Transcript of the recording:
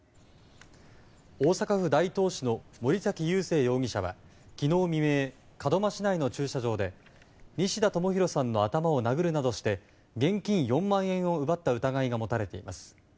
大阪府大東市の森崎勇星容疑者は昨日未明、門真市内の駐車場で西田智裕さんの頭を殴るなどして現金４万円を奪った疑いが持たれています。